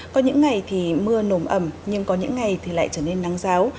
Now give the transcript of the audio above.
có những ngày thì mưa nồm ẩm nhưng có những ngày thì lại trở nên nắng giáo